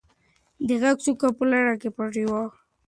د غره څوکه په لړه کې پټه وه.